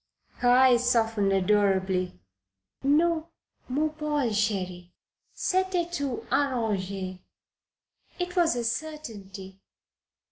Her eyes softened adorably. "Non, mon Paul, cheri. C'etait tout arrange. It was a certainty."